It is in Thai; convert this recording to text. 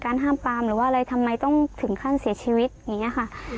ห้ามปามหรือว่าอะไรทำไมต้องถึงขั้นเสียชีวิตอย่างนี้ค่ะ